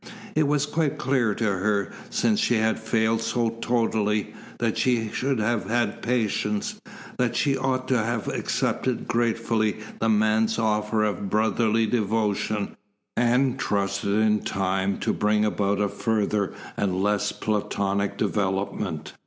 It was quite clear to her, since she had failed so totally, that she should have had patience, that she ought to have accepted gratefully the man's offer of brotherly devotion, and trusted in time to bring about a further and less platonic development.